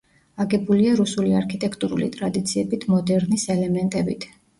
აგებულია რუსული არქიტექტურული ტრადიციებით მოდერნის ელემენტებით.